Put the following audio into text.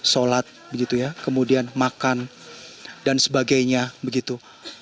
sholat begitu ya kemudian makan dan sebagainya begitu